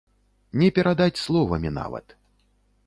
Не перадаць словамі нават.